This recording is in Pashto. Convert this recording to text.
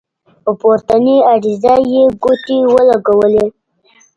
په پورتنۍ عریضه یې ګوتې ولګولې.